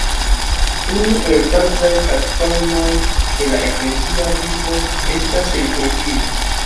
Unu el bazaj platformoj de la eklezia vivo estas liturgio.